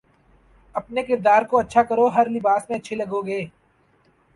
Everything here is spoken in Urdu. اپنے کردار کو اچھا کرو ہر لباس میں اچھے لگو گے